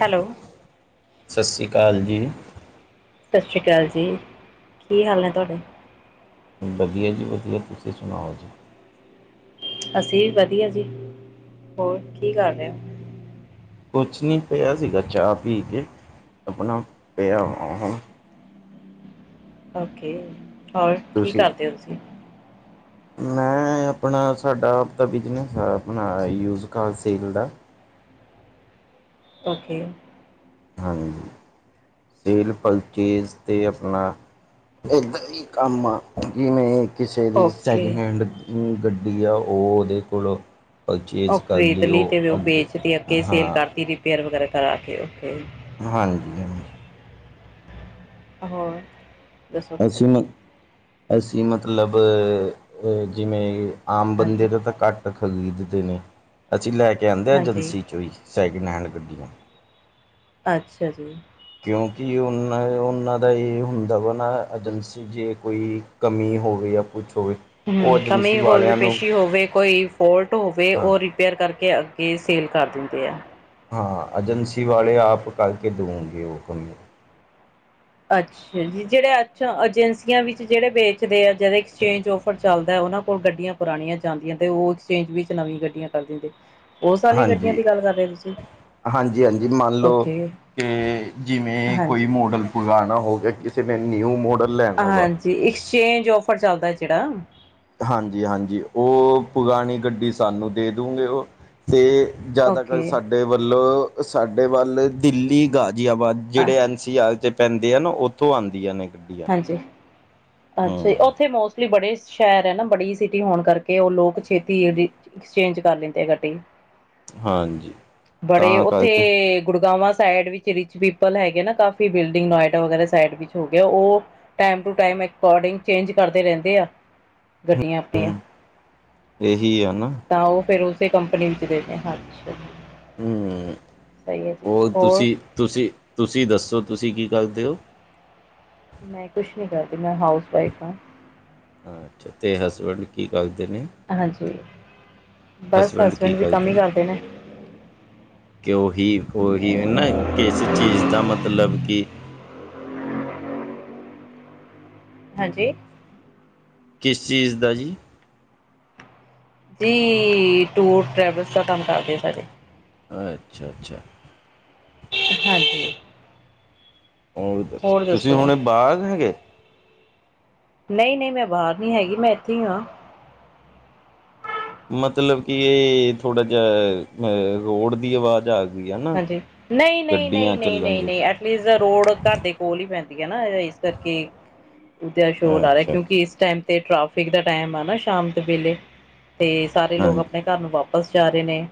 Hello ਸਸੀ ਕਾਲ ਜੀ। ਸਛੀ ਕਾਲ ਜੀ ਕੀ ਹਾਲ ਨੇ ਤੁਆਡੇ? ਵਧੀਆ ਜੀ ਵਧੀਆ ਤੁਸੀ ਸੁਣਾਓ ਜੀ? ਅਸੀ ਵੀ ਵਧੀਆ ਜੀ, ਹੋਰ ਕੀ ਕਰ ਰਹੇ ਓ? ਕੁਛ ਨਹੀ ਪਿਆ ਸੀਗਾ ਚਾਅਪੀ ਕੇ ਆਪਣਾ ਪਿਆ ਵਾ ਓਕੇ ਅਔਰ ਕੀ ਤੁਸੀਂ ਕਰਦੇ ਓ ਤੁ ਮੈਂ ਆਪਣਾ ਸਾਡਾ ਆਪ ਦਾ ਬਿਜਨਸ ਆ ਆਪਣਾ ਯੂਜਕਾਲ ਸੇਲ ਦਾ। ਓਕੇ ਹਾਂਜੀ, ਸੇਲ ਪਰਚੇਜ਼ ਤੇ ਆਪਣਾ ਇਦੇ ਹੀ ਕੰਮ ਆ ਜਿਵੇ। ਕਿਸੇ ਦੀ ਓਕੇ ਸੈਕਿੰਡ ਹੈਂਡ ਗੱਡੀ ਆ, ਉਹ ਉਹਦੇ ਕੋਲੋ ਉਹ ਖਰੀਦ ਲਈ ਤੇ ਉਹ ਵੇਚਦੀ ਅੱਗੇ ਸੇਲ ਹਾਂ ਕਰਤੀ ਰਿਪੇਅਰ ਵਗੈਰਾ ਕਰਾ ਕੇ ਓ ਹਾਂਜੀ-ਹਾਂਜੀ। ਹੋਰ। ਦੱਸੋ ਅਸੀਂ ਤੁਸੀਂ ਮ, ਅਸੀਂ ਮਤਲਬ ਜਿਵੇ ਆਮ ਹਾਂਜੀ ਬੰਦੇ ਦਾ ਤਾਂ ਘੱਟ ਖਰੀਦ ਦੇ ਨੇ, ਅਸੀ ਲੈ ਕੇ ਆਂਦੇ ਹਾਂਜੀ ਏਜੰਸੀ ਚੋਂ ਹੀ ਸੈਕਿੰਡ ਹੈਂਡ ਗੱਡੀਆਂ ਅੱਛਾ ਜੀ। ਕਿਉਂਕਿ ਉਹਨਾਂ-ਉਹਨਾਂ ਦਾ ਇਹ ਹੁੰਦਾ ਵਾ ਨਾ ਏਜੰਸੀ ਜੇ ਕੋਈ ਕਮੀ ਹੋਵੇ ਜਾਂ ਕੁਛ ਹੋਏ। ਹੂੰ ਕਮੀ ਕੋਈ ਵੀ ਪੇਸ਼ੀ ਹੋਵੇ, ਕੋਈ ਫੋਲਟ ਹੋਵੇ ਹਾਂ ਉਰੀ ਰਿਪੇਅਰ ਕਰਕੇ ਅੱਗੇ ਸੇਲ ਕਰ ਦਿੰਦੇ ਆ। ਹਾਂ ਏਜੰਸੀ ਵਾਲੇ ਆਪ ਕਰਕੇ ਦਊਂਗੇ ਉਹ ਕੰਮ ਅੱਛਾ। ਜਿਹੜੇ ਅੱਛਾ ਏਜੰਸੀਆਂ ਵਿੱਚ ਜਿਹੜੇ ਵੇਚਦੇ ਆ, ਜਿਹੜੇ ਐਕਸਚੇਂਜ ਔਫਰ ਚੱਲਦਾ ਉਹਨਾਂ ਕੋਲ ਗੱਡੀਆਂ ਪੁਰਾਣੀਆਂ ਜਾਂਦੀਆਂ ਤੇ ਉਹ ਐਕਸਚੇਂਜ ਵਿੱਚ ਨਵੀਂ ਗੱਡੀਆਂ ਕਰ ਦਿੰਦੇ। ਉਸ ਆਲੀ ਗੱਡੀਆਂ ਹਾਂਜੀ ਦੀ ਗੱਲ ਕਰ ਰਹੇ ਹੋ ਤੁਸੀਂ ਹਾਂਜੀ -ਹਾਂਜੀ, ਮੰਨ ਲਓ ਓਕੇ ਕਿ ਜਿਵੇਂ ਕੋਈ ਹਾਂਜੀ ਮੋਡਲ ਪੁਰਾਣਾ ਹੋ ਗਿਆ, ਕਿਸੇ ਨੇ ਨਿਊ ਮੋਡਲ ਲੈਣਾ ਵਾ। ਜੇ ਐਕਸਚੇਂਜ ਓਫਰ ਚੱਲਦਾ ਜਿਹੜਾ? ਹਾਂਜੀ-ਹਾਂਜੀ, ਉਹ ਪੁਰਾਣੀ ਗੱਡੀ ਸਾਨੂੰ ਦੇ ਦਊਗੇ ਉਹ ਅਤੇ ਜ਼ਿਆਦਾਤਰ ਓਕੇ ਸਾਡੇ ਵੱਲੋਂ, ਸਾਡੇ ਵੱਲ ਦਿੱਲੀ, ਗਾਜ਼ੀਆਬਾਦ ਅ ਜਿਹੜੇ ਐਨ ਸੀ ਆਰ ਚ ਪੈਂਦੇ ਆ ਨ, ਉੱਥੋਂ ਆਂਦੀਆਂ ਨੇ ਗੱਡੀਆਂ ਹਾਂਜੀ। ਅੱਛਾ ਜੀ, ਹੂੰ ਉੱਥੇ ਮੋਸ ਲੀ ਬੜੇ ਸ਼ਹਿਰ ਐ ਨਾ, ਬੜੀ ਸਿਟੀ ਹੋਣ ਕਰਕੇ ਉਹ ਲੋਕ ਛੇਤੀ ਜਿਹੜੀ ਐਕਸਚੇਂਜ ਕਰ ਲੈਂਦੇ ਆ ਗੱਡੀ। ਹਾਂਜੀ ਬੜੇ ਤਾਂ ਉੱਥੇ ਕਰਕੇ ਗੁੜਗਾਵਾਂ ਸਾਈਡ ਵਿ ਰਿਚ ਪੀਪਲ ਹੈਗੇ ਨਾ ਕਾਫੀ ਬਿਲਡਿੰਗ ਨੋਇਡਾ ਵਗੈਰਾ ਸਾਈਡ ਵਿੱਚ ਹੋ ਗਿਆ। ਉਹ time to time according change ਕਰਦੇ ਰਹਿੰਦੇ ਆ ਗੱਡੀਆਂ ਆਪਣੀਆਂ ਹੂੰ ਇਹੀ ਆ ਨਾ। ਤਾਂ ਉਹ ਫਿਰ ਉਸੇ ਕੰਪਨੀ ਵਿੱਚ ਦੇਣੇ, ਹਾਂਜੀ। ਹੂੰ-ਹੂੰ, ਹੋਰ ਤੁਸੀਂ-ਤੁਸੀਂ-ਤੁਸੀਂ ਦੱਸੋ ਤੁਸੀਂ ਕੀ ਕਰਦੇ ਹੋ? ਮੈਂ ਕੁਛ ਨੀ ਕਰਦੀ, ਮੈਂ ਹਾਊਸ ਵਾਇਫ ਹਾਂ। ਅੱਛਾ, ਤੇ ਹਸਬੈਂਡ ਕੀ ਕਰਦੇ ਨੇ? ਹਾਂਜੀ, ਬਸ ਹਸਬੈਂਡ ਵੀ ਕੰਮ ਹੀ ਕਰਦੇ ਨੇ। ਕਿ ਉਹੀ- ਉਹੀ ਨਾ ਕਿਸ ਚੀਜ਼ ਦਾ ਮਤਲਬ ਕਿ ਹਾਂਜੀ। ਕਿਸ ਚੀਜ਼ ਦਾ ਜੀ। ਜੀ ਟੂਰ ਟਰੈਵਲਸ ਦਾ ਕੰਮ ਕਰਦੇ ਆ ਸਾਡੇ ਅੱਛਾ-ਅੱਛਾ। ਹਾਂਜੀ। ਹੂੰ, ਹੋਰ ਤੁਸੀਂ ਦੱਸੋ ਹੁਣੇ ਬਾਰ ਸੀਗੇ। ਨਈ-ਨਈ ਮੈਂ ਬਾਹਰ ਨਹੀਂ ਹੈਗੀ, ਮੈਂ ਇੱਥੇ ਹੀ ਹਾਂ। ਮਤਲਬ ਕਿ ਇਹ ਥੋੜਾ ਜਿਹਾ ਅਹ ਰੋਡ ਦੀ ਆਵਾਜ਼ ਆ ਗਈ ਹੈ ਨਾ ਹਾਂਜੀ। ਨਹੀਂ, ਨਹੀਂ, ਗੱਡੀਆਂ ਨਹੀਂ, ਨਹੀਂ, ਚੱਲਣ ਨਹੀਂ, ਦੀ ਨਹੀਂ ਐਟਲੀਸਟ ਰੋਡ ਘਰ ਦੇ ਕੋਲ ਹੀ ਪੈਂਦੀ ਹੈ ਨਾ। ਇਸ ਕਰਕੇ ਸ਼ੋਰ ਆ ਰਿਹਾ ਅੱਛਾ ਅੱਛਾ ਕਿਉਂਕਿ ਇਸ ਟਾਈਮ ਤੇ ਟ੍ਰੈਫਿਕ ਦਾ ਟਾਈਮ ਆ ਨਾ ਸ਼ਾਮ ਦੇ ਵੇਲੇ ਤੇ ਸਾਰੇ ਲੋਕ ਹਾਂਜੀ ਆਪਣੇ ਘਰ ਨੂੰ ਵਾਪਸ ਜਾ ਰਹੇ ਨੇ।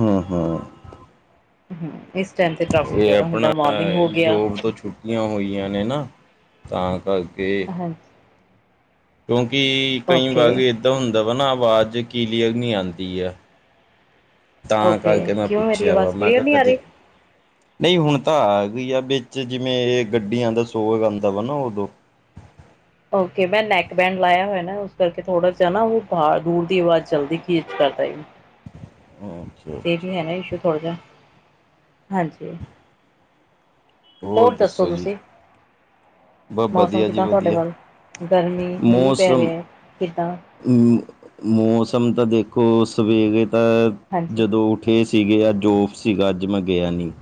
ਹੂੰ-ਹੂੰ। ਹੂੰ ਇਸ ਟੈਮ ਤੇ ਟ੍ਰੈਫਿਕ ਜਿਆਦਾ ਹੁੰਦਾ ਮੋਰਨਿੰਗ ਹੋ ਗਿਆ। ਯਾਂ ਹੋਈਆਂ ਨੇ ਨਾ ਤਾਂ ਕਰਕੇ ਹਾਂਜੀ। ਕਿਉਂਕਿ ਕਈ ਓਕੇ, ਵਾਰੀ ਏਦਾਂ ਹੁੰਦਾ ਵਾ ਨਾ ਆਵਾਜ਼ ਕੀਲੀਅਰ ਨੀ ਆਦੀ ਐ। ਤਾਂ ਓਕੇ ਕਰਕੇ ਮੈਂ ਕਿਉਂ ਮੇਰੀ ਪੁੱਛਿਆ ਵਾ ਆਵਾਜ਼ ਮੈਂ ਕਲੀਅਰ ਕਿਹਾ ਨਹੀਂ ਆ ਕਦੇ ਰਹੀ? ਨਹੀਂ ਹੁਣ ਤਾਂ ਆ ਗਈ ਆ ਵਿੱਚ ਜਿਵੇਂ ਗੱਡੀਆਂ ਦਾ ਸੋਰ ਆਂਦਾ ਵਾ ਨਾ ਉਦੋ ਓਕੇ ਮੈਂ ਨੈਕ ਬੈਂਡ ਲਾਇਆ ਹੋਇਆ ਨਾ ਉਸ ਕਰਕੇ ਥੋੜਾ ਜ ਜਾਹਾ ਨਾ ਉਹ ਬਾਹ ਦੂਰ ਦੀ ਆਵਾਜ਼ ਚਲਦੀ ਪਈ ਏ ਜ਼ਿਆਦਾ ਹੀ। ਅੱਛਾ ਇਹ ਅੱਛਾ ਵੀ ਹੈ ਨਾ ਇਸ਼ੂ ਥੋੜਾ ਜਿਆ ਹਾਂਜੀ। ਹੋ ਹੋਰ ਦੱਸੋ ਜੀ ਤੁਸੀਂ? ਬਸ ਮੌਸਮ ਵਧੀਆ ਜੀ ਕਿੱਦਾਂ ਤੁਹਾਡੇ ਵਧੀਆ ਵੱਲ ਗਰਮੀ ਮੀਂਹ ਪੈ ਮੌਸਮ ਰਿਹਾ ਹੈ ਕਿੱਦਾਂ? ਮੌਸਮ ਤਾਂ ਦੇਖੋ ਸਵੇਰੇ ਤਾਂ ਹਾਂਜੀ ਜਦੋਂ ਫੇ ਸੀਗੇ ਅ ਜੋਫ ਸੀਗਾ ਅੱਜ ਮੈਂ ਗਿਆ ਨੀ।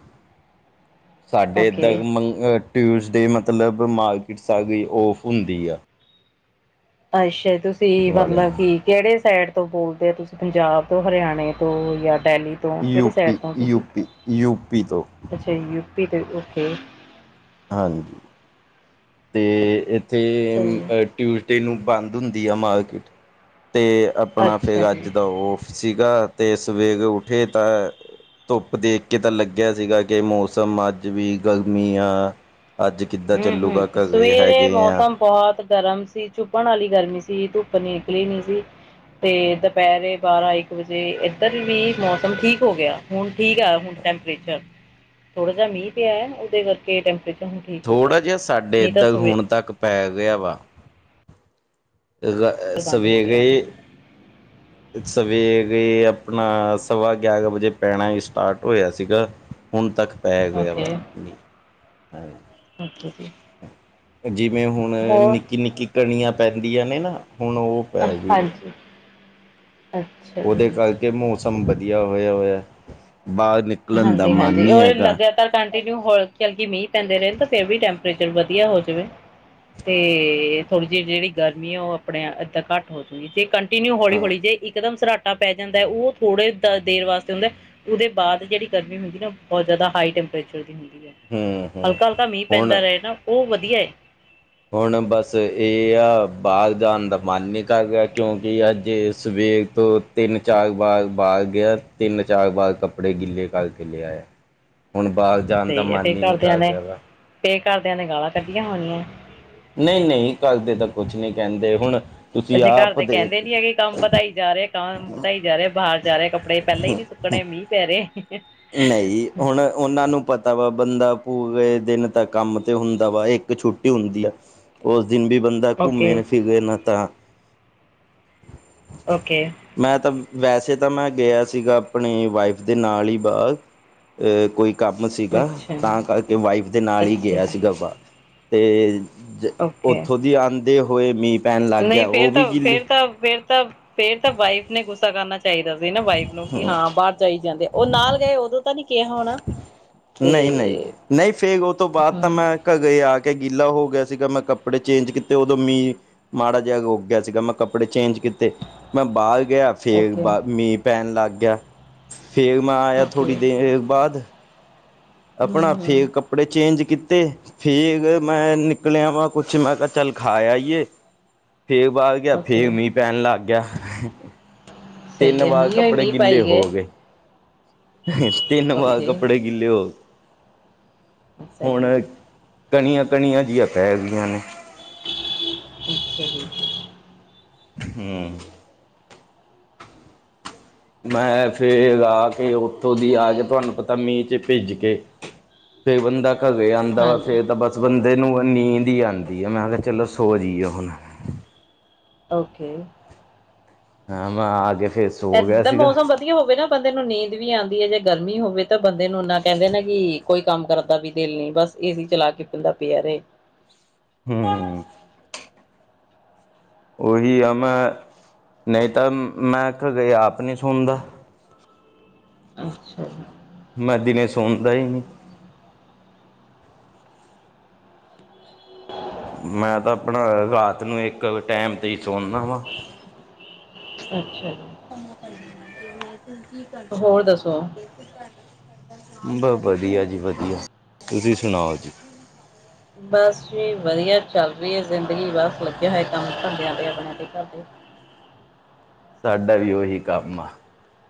ਸਾਡੇ ਇੱਦਾਂ ਓਕੇ ਮੰ ਟਿਊਜ਼ਡੇ ਮਤਲਬ ਮਾਰਕੀਟ ਸਾਰੀ ਔਫ ਹੁੰਦੀ ਆ। ਅੱਛਾ ਤੁਸੀਂ ਵਾਲਿਆਂ ਮਤਲਬ ਕੀ ਕਿਹੜੇ ਸੈਡ ਤੋਂ ਬੋਲਦੇ ਹੋ ਤੁਸੀਂ ਪੰਜਾਬ ਤੋਂ ਹਰਿਆਣੇ ਤੋਂ ਜਾਂ ਡੈਲੀ ਤੋਂ ਤੋਂ ਕਿਹੜੀ ਸੈਡ ਯੂਪੀ ਤੋਂ ਤੁਸੀਂ ਯੂਪੀ ਯੂਪੀ ਤੋਂ ਅੱਛਾ ਯੂਪੀ ਤੋਂ ਓਕੇ ਹਾਂਜੀ। ਅਤੇ ਇੱਥੇ ਸਹੀ ਹੈ ਟਿਊਜ਼ਡੇ ਨੂੰ ਬੰਦ ਹੁੰਦੀ ਆ ਮਾਰਕੀਟ ਤੇ ਆਪਣਾ ਫੇਗ ਅੱਛਾ ਜੀ ਅੱਜ ਦਾ ਔਫ ਸੀਗਾ ਤੇ ਸਵੇਰੇ ਉੱਠੇ ਤਾਂ ਧੁੱਪ ਦੇਖ ਕੇ ਤਾਂ ਲੱਗਿਆ ਸੀਗਾ ਕਿ ਮੌਸਮ ਅੱਜ ਵੀ ਗਰਮੀ ਆ ਅੱਜ ਕਿੱਦਾਂ ਹੂੰ ਹੂੰ ਚੱਲੂਗਾ? ਘਰੇ ਸਵੇਰੇ ਹੈਗੇ ਆ ਮੌਸਮ ਬਹੁਤ ਗਰਮ ਸੀ ਚੂਭਣ ਆਲੀ ਗਰਮੀ ਸੀ ਧੁੱਪ ਨੀ ਨਿਕਲੀ ਨੀ ਸੀ। ਤੇ ਦੁਪਹਿਰੇ ਬਾਰਾਂ-ਇੱਕ ਵਜੇ ਏਧਰ ਵੀ ਮੌਸਮ ਠੀਕ ਹੋ ਗਿਆ ਹੁਣ ਠੀਕ ਅ ਹੁਣ ਟੈਂਪਰੇਚਰ, ਥੋੜਾ ਜਯਾ ਮੀਂਹ ਪਿਆ ਉਹਦੇ ਕਰਕੇ ਇਹ ਟੈਂਪਰੇਚਰ ਹੁਣ ਠੀਕ ਹੋ ਗਿਆ ਥੋੜ੍ਹਾ ਜਯਾ ਸਾਡੇ ਨਹੀਂ ਤਾਂ ਇੱਦਰ ਹੁਣ ਸਵੇਰ ਤੱਕ ਪੈ ਰਿਆ ਵਾ। ਰ, ਅ, ਬੰਦ ਹੋ ਗਿਆ ਸਵੇਰੇ ਹੁਣ ਸਵੇਰੇ ਅਪਣਾ ਸਵਾ ਗਿਆਰਾਂ ਵਜੇ ਪੈਣਾ ਈ ਸਟਾਰਟ ਹੋਇਆ ਸੀਗਾ। ਹੁਣ ਤੱਕ ਪੈ ਗਿਆ ਓਕੇ ਵਾ ਮੀਂਹ। ਓਕੇ ਜੀ। ਜਿਵੇਂ ਹੁਣ ਹੋਰ ਨਿੱਕੀ-ਨਿੱਕੀ ਕਣੀਆਂ ਪੈਂਦੀਆਂ ਨੇ ਨਾ ਹੁਣ ਉਹ ਪੈ ਗਈ ਨੇ ਹਾਂਜੀ। ਅੱਛਾ ਜੀ ਉਹਦੇ ਕਰਕੇ ਮੌਸਮ ਵਧੀਆ ਹੋਇਆ ਹੋਇਆ ਬਾਹਰ ਨਿਕਲ- ਹਾਂਜੀ-ਹਾਂਜੀ ਉਹ ਲੱਗਿਆ। ਪਰ ਕੰਟੀਨਿਊ ਹੋ ਚਲਗੀ ਮੀਂਹ ਪੈਂਦੇ ਰਹੇ ਤਾਂ ਫਿਰ ਵੀ ਟੈਂਪਰੇਚਰ ਵਧੀਆ ਹੋ ਜ। ਵੇ ਤੇ ਥੋੜ੍ਹੀ ਜਿਹੀ ਜਿਹੜੀ ਗਰਮੀ ਆ ਉਹ ਆਪਣੇ ਇੱਦਾਂ ਘੱਟ ਹੋ ਚੂਗੀ ਜੇ ਕੰਟੀਨਿਊ ਹਾਂ ਹੌਲੀ-ਹੌਲੀ ਜੇ ਇਕਦਮ ਸਰਾਟ- ਟਾ ਪੈ ਜਾਂਦਾ ਹੈ ਉਹ ਥੋੜੇ ਦੇਰ ਵਾਸਤੇ ਹੁੰਦਾ ਉਹਦੇ ਬਾਅਦ ਜਿਹੜੀ ਗਰਮੀ ਹੁੰਦੀ ਨਾ ਬਹੁਤ ਜ਼ਿਆਦਾ ਹਾਈ ਟੈਂਪਰੇਚਰ ਦੀ ਹੁੰਦੀ ਐ ਹੂੰ ਹੂੰ ਹਲਕਾ-ਹਲਕਾ ਮੀਂਹ ਹੁਣ ਪੈਂਦਾ ਰਹੇ ਨਾ ਉਹ ਵਧੀਆ ਏ। ਹੁਣ ਬਸ ਇਹ ਆ ਬਾਹਰ ਜਾਣ ਦਾ ਮਨ ਨਹੀਂ ਕਰ ਰਿਹਾ ਕਿਉਂਕਿ ਅੱਜ ਸਵੇਰ ਤੋਂ ਤਿੰਨ-ਚਾਰ ਵਾਰ ਬਾਹਰ ਗਿਆ ਤਿੰਨ-ਚਾਰ ਵਾਰ ਕੱਪੜੇ ਗਿੱਲੇ ਕਰਕੇ ਲੈ ਆਯਾ। [inaudible] ਹੁਣ ਬਾਹਰ ਜਾਣ ਦਾ ਮਨ ਹੀ ਨਹੀਂ ਕਰਦਾ ਵਾ। ਪੇ ਕਰਦਿਆਂ ਨੇ ਗਾਲਾਂ ਕੱਢੀਆਂ ਹੋਣੀਆਂ? ਨਹੀਂ-ਨਹੀਂ ਕੱਲ ਦੇ ਤਾਂ ਕੁਛ ਨਹੀਂ ਕਹਿੰਦੇ ਹੁਣ ਤੁਸੀਂ ਅਸੀਂ ਘਰ ਆਪ ਦੇ ਦੇਖ ਕਹਿੰਦੇ ਨੀ ਹੈਗੇ ਕੰਮ ਵਧਾਈ ਜਾ ਰਿਹਾ, ਕੰਮ ਵਧਾਈ ਜਾ ਰਿਹਾ ਬਾਹਰ ਜਾ ਰਹੇ ਕੱਪੜੇ ਪਹਿਲਾਂ ਹੀ ਨੀ ਸੁੱਕਣੇ ਮੀਂਹ ਪੈ ਰਹੇ। ਨਹੀਂ। ਹੁਣ ਉਹਨਾਂ ਨੂੰ ਪਤਾ ਵਾ ਬੰਦਾ ਪੂਰੇ ਦਿਨ ਤਾਂ ਕੰਮ ਤੇ ਹੁੰਦਾ ਵਾ ਇੱਕ ਛੁੱਟੀ ਹੁੰਦੀ ਆ ਉਸ ਦਿਨ ਵੀ ਬੰਦਾ ਘੁੰਮੇ ਓਕੇ ਨਾ, ਫਿਰੇ ਨਾ ਤਾ ਓਕੇ। ਮੈਂ ਤਾਂ ਵੈਸੇ ਤਾਂ ਮੈਂ ਗਿਆ ਸੀਗਾ ਆਪਣੀ ਵਾਈਫ ਦੇ ਨਾਲ ਹੀ ਬਾਅਦ ਏ ਕੋਈ ਕੰਮ ਸੀਗਾ ਅੱਛਾ ਤਾਂ ਕਰਕੇ ਵਾਈਫ ਦੇ ਨਾਲ ਹੀ ਅੱਛਾ ਗਿਆ ਜੀ ਸੀਗਾ ਵਾ ਤੇ ਓਕੇ ਉੱਥੋਂ ਦੀ ਆਂਦੇ ਹੋਏ ਮੀਂਹ ਪੈਣ ਲੱਗ ਨਹੀਂ ਗਿਆ ਫੇਰ ਉਹ ਵੀ ਤਾਂ, ਗਿੱਲੀ ਫੇਰ ਤਾਂ ਫੇਰ ਤਾਂ ਫੇਰ ਤਾਂ ਵਾਈਫ ਨੇ ਗੁੱਸਾ ਕਰਨਾ ਚਾਹੀਦਾ ਸੀ ਨਾ ਵਾਈਫ ਨੂੰ ਕਿ ਹੂੰ ਹਾਂ ਬਾਹਰ ਜਾਈ। ਜਾਂਦੇ ਓ ਨਾਲ ਗਏ ਉਦੋਂ ਤਾਂ ਨੀ ਕਿਹਾ ਹੋਣਾ। ਤੇ ਨਹੀਂ ਨਹੀਂ, ਨਹੀਂ ਫਿਰ ਉਹ ਤੋਂ ਬਾਅਦ ਤਾਂ ਹਮ ਮੈਂ ਕ ਗਏ ਆ ਕੇ ਗੀਲਾ ਹੋ ਗਿਆ ਸੀਗਾ ਮੈਂ ਕੱਪੜੇ ਚੇਂਜ ਕੀਤੇ ਉਦੋਂ ਮੀਂਹ ਮਾੜਾ ਜਿਹਾ ਰੁਕ ਗਿਆ ਸੀਗਾ ਮੈਂ ਕੱਪੜੇ ਚੇਂਜ ਕੀ ਤੇ ਮੈਂ ਬਾਹਰ ਗਿਆ ਫਿਰ ਓਕੇ ਬਾਹਰ ਮੀਂਹ ਪੈਣ ਲੱਗ ਗਿਆ। ਫੇਰ ਮੈਂ ਆਇਆ ਥੋੜੀ ਓਕੇ ਦੇਰ ਬਾਅਦ ਹਮ ਆਪਣਾ ਫੇਰ ਹਮ ਕੱ ਕੱਪੜੇ ਚੇਂਜ ਕੀਤੇ ਫੇਰ ਮੈਂ ਨਿਕਲਿਆ ਵਾਂ ਕੁਛ ਮੈਂ ਕਿਹਾ ਚੱਲ ਖਾ ਆਹੀਏ। ਫੇਰ ਬਾਹਰ ਗਿਆ ਫੇਰ ਓਕੇ ਮੀਂਹ ਪੈਣ ਲੱਗ ਗਿਆ। ਤਿੰਨ ਸਹੀ ਹੈ ਵਾਰ ਮੀਂਹ ਹੋਈ ਕੱਪੜੇ ਮੀਂਹ ਗਿੱਲੇ ਪਾਈ ਹੋ ਗਏ। ਤਿੰਨ ਵਾਰ ਓਕੇ ਕੱਪੜੇ ਗਿੱਲੇ ਹੋ ਸਹੀ ਹੁਣ ਹੈ ਜੀ ਕਣੀਆਂ, ਕਣੀਆਂ ਜਿਹੀ ਪੈ ਗਈਆਂ ਨੇ। ਅੱਛਾ ਜੀ ਹਾਂ, ਮੈਂ ਫਿਰ ਆ ਕੇ ਉੱਥੋਂ ਦੀ ਆ ਕੇ ਤੁਹਾਨੂੰ ਪਤਾ ਮੀਂਹ ਚ ਭਿਜ ਕੇ ਫੇਰ ਬੰਦਾ ਘਰੇ ਆਂਦਾ ਵਾ ਹਾਂਜੀ ਫੇਰ ਤਾ ਬਸ ਬੰਦੇ ਨੂੰ ਨੀਂਦ ਹੀ ਆਂਦੀ ਆ ਮੈਂ ਕਿਹਾ ਚਲੋ ਸੋ ਜਈ ਏ ਹੁਣ। ਓਕੇ। ਹਾਂ ਮੈਂ ਆ ਕੇ ਫਿਰ, ਇੱਧਰ ਤਾ ਮੌਸਮ ਹੋਵੇ ਨਾ ਬੰਦੇ ਨੂੰ ਨੀਂਦ ਵੀ ਆਂਦੀ ਐ ਜੇ ਗਰਮੀ ਹੋਵੇ ਤਾਂ ਬੰਦੇ ਨੂੰ ਇਨਾ ਕਹਿੰਦੇ ਨਾ ਕਿ ਕੋਈ ਕੰਮ ਕਰ ਦਾ ਵੀ ਦਿਲ ਨੀ ਬਸ ਏਸੀ ਚਲਾ ਕੇ ਬੰਦਾ ਪਿਆ ਰਹੇ। ਹੂੰ, ਓਹੀ ਆ ਮੈਂ ਨਹੀਂ ਤਾਂ ਮੈਂ ਕਦੇ ਆਪ ਨਹੀਂ ਸੌਂਦਾ। ਅੱਛਾ ਜੀ। ਮੈਂ ਦਿਨੇ ਸੌਂਦਾ ਹੀ ਨੀ। ਮੈਂ ਤਾਂ ਆਪਣਾ ਰਾਤ ਨੂੰ ਇੱਕ ਟੈਮ ਹੀ ਸੌਂਦਾ ਵਾਂ। ਅੱਛਾ। ਜੀ ਕੰਮਾਂ ਕਰਦੀਆਂ ਤੇ ਮੈਂ ਕਿਉਕਿ, ਹੋਰ ਦੱਸੋ? ਬ ਵਧੀਆ ਜੀ ਵਧੀਆ ਤੁਸੀਂ ਸੁਣਾਓ ਜੀ? ਬਸ ਜੀ ਵਧੀਆ ਚੱਲ ਰਹੀ ਜ਼ਿੰਦਗੀ ਬਸ ਲੱਗਿਆ ਕੰਮ ਧੰਦਿਆਂ ਤੇ ਆਪਣੇ ਤੇ ਘਰਦੇ। ਸਾਡਾ ਵੀ ਉਹੀ ਕੰਮ ਆ।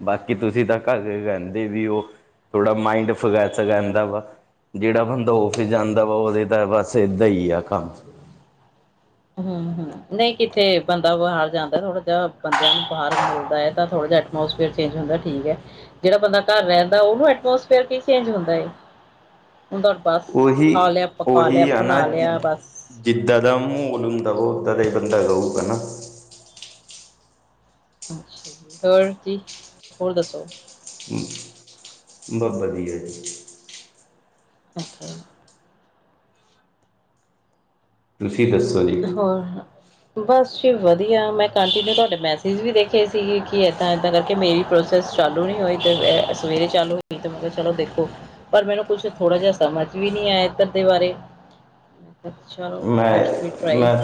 ਬਾਕੀ ਤੁਸੀਂ ਤਾਂ ਘਰੇ ਰਹਿੰਦੇ ਵੀ ਉਹ ਥੋੜਾ ਮਾਈੰਡ ਫਰੈਸ ਰਹਿਦਾ ਵਾ। ਜਿਹੜਾ ਬੰਦਾ ਆਫਿਸ ਜਾਂਦਾ ਵਾ ਉਹਦੇ ਤਾਂ ਬਸ ਏਦਾਂ ਹੀ ਆ ਕੰਮ ਹੂੰ ਹੂੰ, ਨਹੀਂ ਕਿੱਥੇ ਬੰਦਾ ਬਾਹਰ ਜਾਂਦਾ ਥੋੜਾ ਜਾ ਬੰਦਿਆਂ ਨੂੰ ਬਾਹਰ ਮਿਲਦਾ ਐ ਤਾਂ ਥੋੜਾ ਜਾ ਐਟਮੋਸਫਰਅਰ ਚੇਂਜ ਹੁੰਦਾ ਠੀਕ ਐ ਜਿਹੜਾ ਬੰਦਾ ਘਰ ਰਹਿੰਦਾ ਓਹਨੂੰ ਐਟਮੋਸਫੇਅਰ ਕੀ ਚੇਂਜ ਹੁੰਦਾ ਐ। ਹੁਣ ਤਾਂ ਬਸ ਉਹੀ ਖਾ ਲਿਆ ਪਕਾ ਲਿਆ ਬਣਾ ਲਿਆ ਬਸ। ਜਿੱਦ ਦਾ ਮਹੋਲ ਹੁੰਦਾ ਵਾ ਓਹਦਾ ਦਾ ਹੀ ਬੰਦਾ ਰਊਗਾ ਨਾ। ਅੱਛਾ ਜੀ। ਹੋਰ ਜੀ ਹੋਰ ਦੱਸੋ? ਬਸ ਵਧੀਆ ਜੀ। ਓਕੇ। ਤੁਸੀਂ ਦੱਸੋ ਜੀ ਹੋਰ ਬਸ ਵਧੀਆ ਮੈਂ ਕੰਟੀਨਿਊ ਤੁਹਾਡੇ ਮੈਸੇਜ ਵੀ ਦੇਖੇ ਸੀਗੇ ਕਿ ਏਦਾਂ ਏਦਾਂ ਕਰਕੇ ਮੇਰੀ ਪ੍ਰੋਸ ਜਸਟ ਚਾਲੂ ਨੀ ਹੋਈ ਤੇ, ਸਵੇਰੇ ਚਾਲੂ ਹੋਈ ਤੇ ਮੈ ਕਿਹਾ, ਚਲੋ ਦੇਖੋ। ਪਰ ਮੈਨੂੰ, ਕੁਛ ਥੋੜਾ ਜਾ ਸਮਝ ਵੀ ਨਹੀ ਆਇਆ ਐਧਰ ਦੇ ਬਾਰੇ। ਚਲੋ, ਮੈਂ ਲੈਟਸ ਵੀ ਟਰਾਈ। ਮੈਂ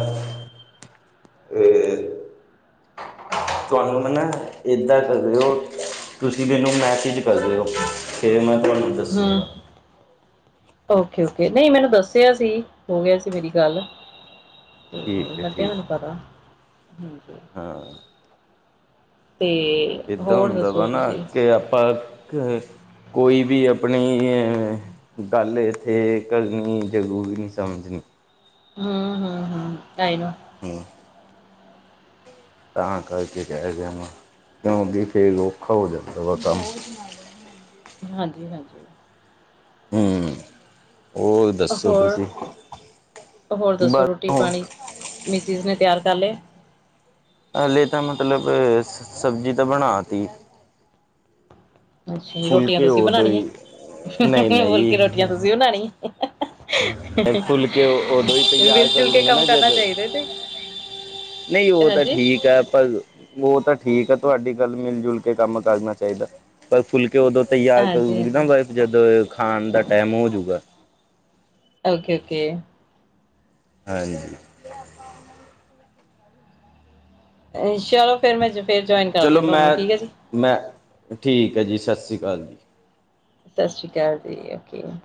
ਤੁਹਾਨੂੰ, ਮੈ ਨਾ ਏਦਾਂ ਕਰਿਓ। ਤੁਸੀਂ ਮੈਨੂੰ, ਮੈਸੇਜ ਕਰ ਦੇਓ ਫਿਰ ਮੈਂ ਤੁਹਾਨੂੰ ਹਮ। ਦੱਸੂੰਗਾ ਓਕੇ- ਓਕੇ ਨਹੀਂ ਮੈਨੂੰ ਦੱਸਿਆ ਸੀ। ਹੋ ਗਿਆ ਸੀ ਮੇਰੀ ਗੱਲ।। ਠੀਕ ਹੈ ਲੱਗ ਗਿਆ, ਠੀਕ ਮੈਨੂੰ ਪਤਾ। ਹਾਂ ਤੇ ਇੱਦਾਂ, ਹੋਰ ਹੁੰਦਾ ਦੱਸੋ ਵਾ ਨਾ, ਤੁਸੀਂ ਕਿ ਆਪਾਂ, ਕੋਈ ਵੀ ਆਪਣੀ ਗੱਲ, ਇੱਥੇ ਕਰਨੀ ਜਰੂਰੀ ਨੀ ਸਮਝਨੀ। ਹਮ, ਹਮ, ਹਮ ਟਾਈਮ ਆ। ਹਮ ਤਾਂ ਕਰਕੇ ਕਹਿ ਰਿਹਾਂ ਵਾਂ, ਕਿਉਂ ਵੀ ਫੇਰ ਔਖਾ ਹੋ ਜਾਂਦਾ ਵਾ ਕੰਮ। ਹਾਂਜੀ- ਹਾਂਜੀ। ਹਮ। ਹੋਰ- ਹੋਰ ਦੱਸੋ ਬਸ ਰੋਟੀ ਹੁਣ -ਪਾਨੀ ਮਿਸਿਜ ਨੇ ਤਿਆਰ ਕਰ ਲੇ? ਹਲੇ ਤਾਂ ਮਤਲਬ, ਸਬਜੀ ਤਾਂ ਬਣਾਤੀ। ਅੱਛਾ ਜੀ, ਰੋਟੀਆਂ ਫੁਲਕੇ ਤੁਸੀਂ ਉਦੋਂ ਬਣਾਉਣੀਆਂ, ਹੀ ਨਹੀਂ ਹੋਰ ਨਹੀਂ ਕੇ ਰੋਟੀਆਂ ਤੁਸੀਂ ਬਣਾਣੀੀਆਂ। ਫੁਲਕੇ ਉਦੋਂ ਹੀ ਤਿਆਰ ਮਿਲ -ਜੁਲ ਕੇ ਕਰੂੰਗਾ ਕੰਮ ਨਾ ਕਰਨਾ ਜਦ ਚਾਹੀਦਾ ਜੀ। ਨਹੀਂ, ਉਹ ਤਾਂ ਠੀਕ ਹੈ ਪਰ ਉਹ ਤਾਂ, ਠੀਕ ਆ ਤੁਹਾਡੀ ਗੱਲ ਮਿਲ -ਜੁਲ ਕੇ ਕੰਮ ਕਰਨਾ ਚਾਹੀਦਾ। ਪਰ, ਫੁਲਕੇ ਉਦੋਂ ਤਿਆਰ ਹਾਂਜੀ ਕਰੂਗੀ ਹਾਂਜੀ ਨਾ, ਜਦੋਂ ਖਾਣ ਦਾ ਟਾਈਮ ਹੋਜੂਗਾ। ਓਕੇ-ਓਕੇ। ਹਾਂਜੀ। ਹੁੰਦਾ ਤੇ ਅ [inaudible] [inaudible] ਚੱਲੋ ਫਿਰ ਮੈਂ, ਫਿਰ ਜੁਆਇਨ ਕਰਦੀ ਹਾਂ, ਤੁਹਾਨੂੰ ਮੈਂ ਠੀਕ ਹੈ ਜੀ। ਮੈਂ, ਠੀਕ ਹੈ ਜੀ', ਸਤਿ ਸ਼੍ਰੀ ਅਕਾਲ ਜੀ। ਸਤਿ ਸ੍ਰੀ ਅਕਾਲ ਜੀ', ਔਰ ਕਿਵੇਂ?